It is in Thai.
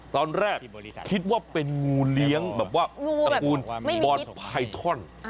ตอนแรกคิดว่าเป็นงูเลี้ยงแบบว่าตระกูลบอลไพทอน